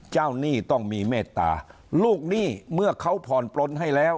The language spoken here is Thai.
หนี้ต้องมีเมตตาลูกหนี้เมื่อเขาผ่อนปลนให้แล้ว